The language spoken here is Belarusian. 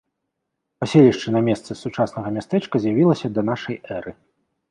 Паселішча на месцы сучаснага мястэчка з'явілася да нашай эры.